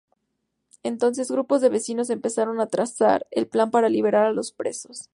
Entonces, grupos de vecinos empezaron a trazar el plan para liberar a los presos.